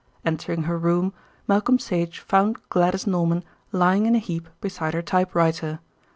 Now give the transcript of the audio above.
Entering her room, Malcolm Sage found Gladys Norman lying in a heap beside her typewriter.